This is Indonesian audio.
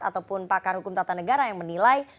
ataupun pakar hukum tata negara yang menilai